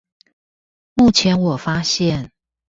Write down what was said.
目前我發現